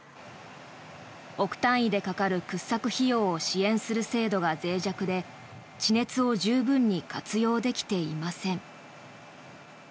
億単位でかかる掘削費用を支援する制度がぜい弱で地熱を十分に活用できていません。